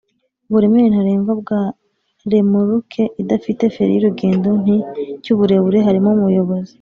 uburemere ntarengwa bwa remoruke idafite feri yurugendo nti cyuburebure harimo umuyobozi